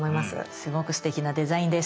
すごくすてきなデザインです